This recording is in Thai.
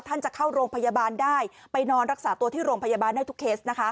ท่านจะเข้าโรงพยาบาลได้ไปนอนรักษาตัวที่โรงพยาบาลได้ทุกเคสนะคะ